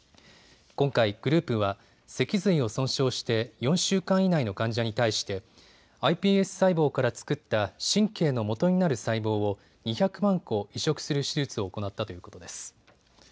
今回、グループは脊髄を損傷して４週間以内の患者に対してｉＰＳ細胞から作った神経のもとになる細胞を２００万個、移植する手術を行ったということです。